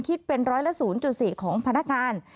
คิดเป็นร้อยละ๐๔ของพนักงาน